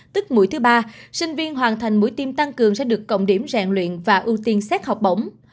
tức mũi thứ ba sinh viên hoàn thành mũi tiêm tăng cường sẽ được cộng điểm rèn luyện và ưu tiên xét học bổng